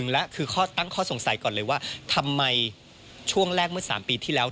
และคือข้อตั้งข้อสงสัยก่อนเลยว่าทำไมช่วงแรกเมื่อ๓ปีที่แล้ว